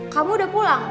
kamu udah pulang